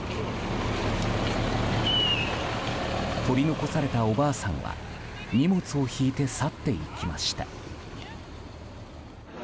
取り残されたおばあさんは荷物を引いて去っていきました。